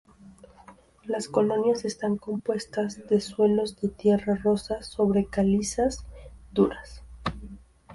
Las colinas están compuestas de suelos de tierra rosa sobre calizas duras.